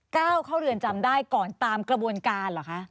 ก้าวเข้าเรือนจำได้ก่อนตามกระบวนการเหรอคะ